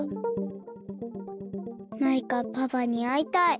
マイカパパにあいたい。